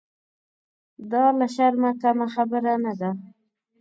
دا له شرمه کمه خبره نه ده.